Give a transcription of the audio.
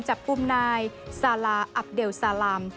จับคุมนายซาลาอัพเดลซาลาม